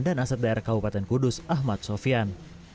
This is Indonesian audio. dan aset daerah kabupaten kudus ahmad sofian